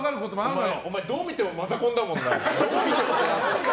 お前どう見てもマザコンだもんな。